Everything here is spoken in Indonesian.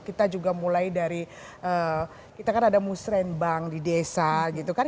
kita juga mulai dari kita kan ada musrembang di desa gitu kan